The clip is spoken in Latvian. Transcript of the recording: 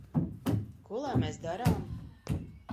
Ko lai mēs darām?